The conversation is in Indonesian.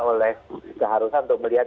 oleh keharusan untuk melihat